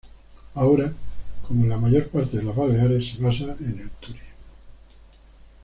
Ahora, como en la mayor parte de las Baleares se basa en el turismo.